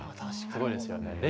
すごいですよね。